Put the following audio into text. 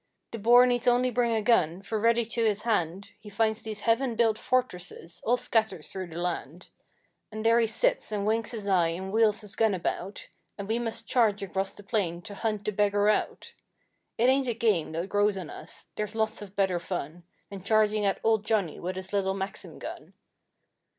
The Boer needs only bring a gun, for ready to his hand He finds these heaven built fortresses all scattered through the land; And there he sits and winks his eye and wheels his gun about, And we must charge across the plain to hunt the beggar out. It ain't a game that grows on us, there's lots of better fun Than charging at old Johnny with his little Maxim gun.